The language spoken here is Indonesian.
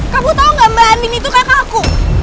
kamu tau gak mbak andi itu kakak aku